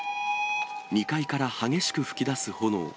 ２階から激しく噴き出す炎。